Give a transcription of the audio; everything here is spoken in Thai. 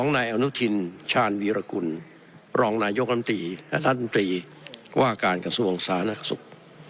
นายอนุทินชาญวีรกุลรองนายกรรมตรีและรัฐมนตรีว่าการกระทรวงสาธารณสุข